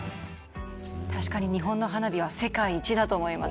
確かに日本の花火は世界一だと思います。